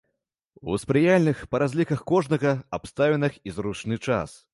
У спрыяльных, па разліках кожнага, абставінах і зручны час.